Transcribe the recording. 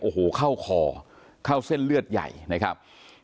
โอ้โหเข้าคอเข้าเส้นเลือดใหญ่นะครับ